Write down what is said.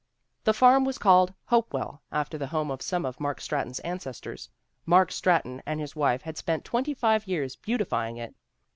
The farm was called "Hopewell," after the home of some of Mark Stratton's ancestors. Mark Strat ton and his wife had spent twenty five years beautify ing it.